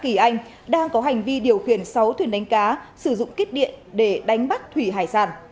tổ dân phố tân yên thị xã kỳ anh đang có hành vi điều khiển sáu thuyền đánh cá sử dụng thích điện để đánh bắt thủy hải sản